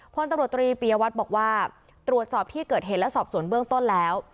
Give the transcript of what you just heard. พลตำรวจตรีปียวัตรบอกว่าตรวจสอบที่เกิดเหตุและสอบสวนเบื้องต้นแล้ว